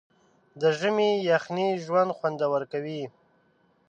د ژمي یخنۍ ژوند خوندور کوي.